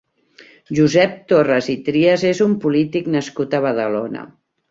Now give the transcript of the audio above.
Josep Torras i Trias és un polític nascut a Badalona.